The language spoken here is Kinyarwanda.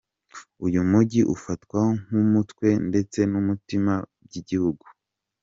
Uyu mujyi ufatwa nk’umutwe ndetse n’umutima by’igihugu.